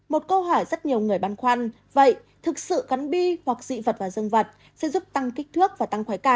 một câu hỏi rất nhiều người băn khoăn vậy thực sự cắn bi hoặc dị vật và dân vật sẽ giúp tăng kích thước và tăng khói cảm